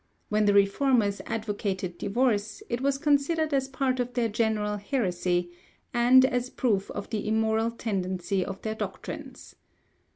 When the Reformers advocated divorce, it was considered as part of their general heresy, and as proof of the immoral tendency of their doctrines.